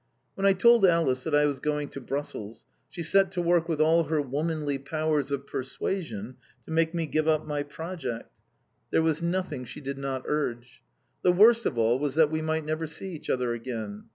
When I told Alice that I was going to Brussels, she set to work with all her womanly powers of persuasion to make me give up my project. There was nothing she did not urge. The worst of all was that we might never see each other again.